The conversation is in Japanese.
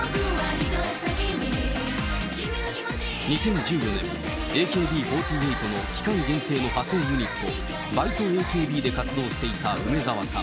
２０１４年、ＡＫＢ４８の期間限定の派生ユニット、バイトＡＫＢで活動していた梅澤さん。